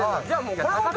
じゃあ。